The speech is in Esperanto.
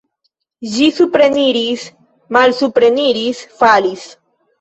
Ĝi supreniris, malsupreniris, falis.